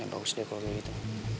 ya bagus deh kalo gitu